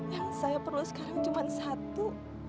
yang saya perlu sekarang cuma satu